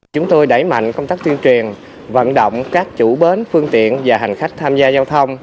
chúng tôi đẩy mạnh công tác tuyên truyền vận động các chủ bến phương tiện và hành khách tham gia giao thông